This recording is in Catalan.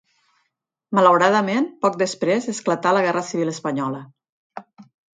Malauradament, poc després esclatà la guerra civil espanyola.